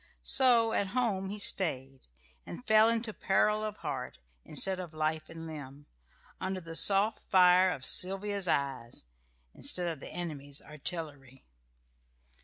So at home he stayed, and fell into peril of heart, instead of life and limb, under the soft fire of Sylvia's eyes, instead of the enemy's artillery.